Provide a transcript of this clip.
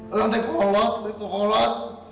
orang tadi keolok orang ini keolok